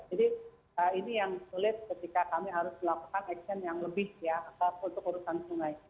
jadi ini yang sulit ketika kami harus melakukan action yang lebih ya untuk urusan sungai